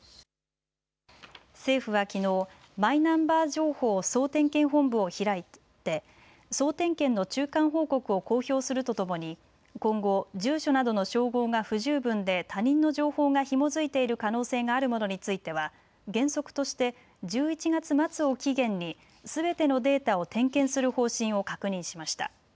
政府はきのうマイナンバー情報総点検本部を開いて総点検の中間報告を公表するとともに今後、住所などの照合が不十分で他人の情報がひも付いている可能性があるものについては原則として１１月末を期限にすべてのデータを点検する方針を確認しました。